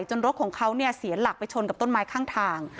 รถของเขาเนี่ยเสียหลักไปชนกับต้นไม้ข้างทาง